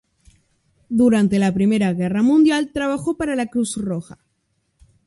Durante la Primera Guerra Mundial trabajó para la Cruz Roja.